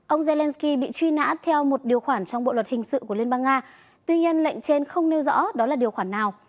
ông zelenskyy bị truy nã theo một điều khoản trong bộ luật hình sự của liên bang nga tuy nhiên lệnh trên không nêu rõ đó là điều khoản nào